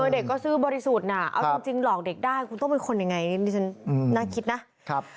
เด็กก็ซื้อบริสุทธิ์นะเอาจริงหลอกเด็กได้คุณต้องเป็นคนยังไงนี่ฉันน่าคิดนะ